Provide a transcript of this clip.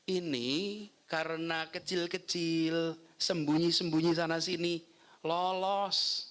ini karena kecil kecil sembunyi sembunyi sana sini lolos